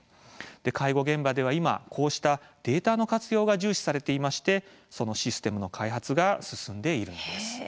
介護現場では今こうしたデータの活用が重視されていましてそのシステムの開発が進んでいるんです。